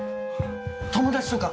友達とか？